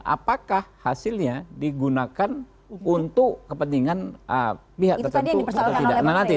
apakah hasilnya digunakan untuk kepentingan pihak tertentu atau tidak